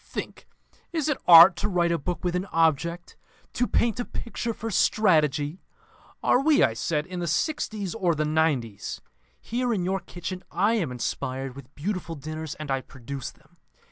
Think: Is it Art to write a book with an object, to paint a picture for strategy?' 'Are we,' I said, 'in the sixties or the nineties? Here, in your kitchen, I am inspired with beautiful dinners, and I produce them.